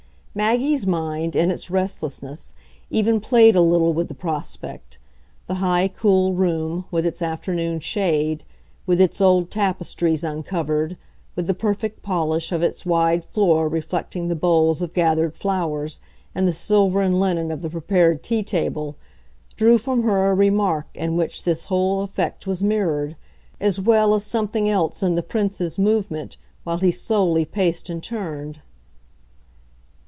Maggie's mind, in its restlessness, even played a little with the prospect; the high cool room, with its afternoon shade, with its old tapestries uncovered, with the perfect polish of its wide floor reflecting the bowls of gathered flowers and the silver and linen of the prepared tea table, drew from her a remark in which this whole effect was mirrored, as well as something else in the Prince's movement while he slowly paced and turned.